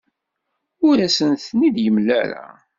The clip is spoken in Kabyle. Ur asent-ten-id-yemla ara.